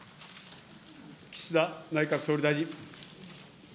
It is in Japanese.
岸田内閣総理大臣。